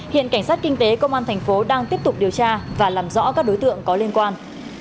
hiện cảnh sát kinh tế công an thành phố đang tiếp tục điều tra và làm rõ các đối tượng có liên quan